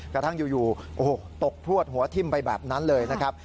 กระทั่งอยู่โอ้โหตกพลวดหัวทิ้มไปแบบนั้นเลยนะครับ